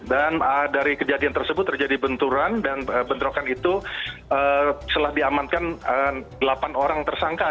dan dari kejadian tersebut terjadi benturan dan bentrokan itu setelah diamankan delapan orang tersangka